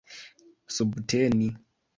subteni